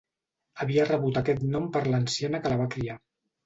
Havia rebut aquest nom per l'anciana que la va criar.